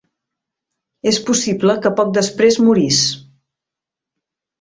És possible que poc després morís.